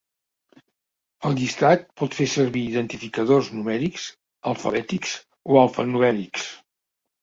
El llistat pot fer servir identificadors numèrics, alfabètics o alfa-numèrics.